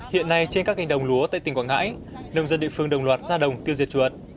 hiện nay trên các cánh đồng lúa tại tỉnh quảng ngãi nông dân địa phương đồng loạt ra đồng tiêu diệt chuột